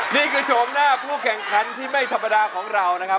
โฉมหน้าผู้แข่งขันที่ไม่ธรรมดาของเรานะครับ